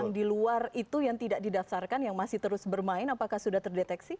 yang di luar itu yang tidak didaftarkan yang masih terus bermain apakah sudah terdeteksi